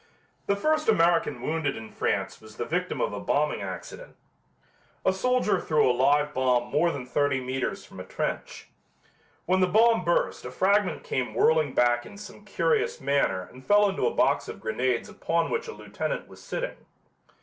The first American wounded in France was the victim of a bombing accident. A soldier threw a live bomb more than thirty meters from a trench. When the bomb burst a fragment came whirling back in some curious manner and fell into a box of grenades upon which a lieutenant was sitting.